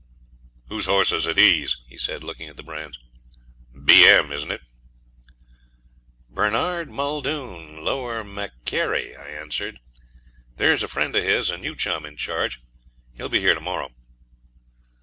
'Whose horses are these?' he said, looking at the brands. 'B.M., isn't it?' 'Bernard Muldoon, Lower Macquarie,' I answered. 'There's a friend of his, a new chum, in charge; he'll be here to morrow.'